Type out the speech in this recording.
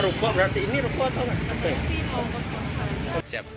ah ruko berarti ini ruko atau apa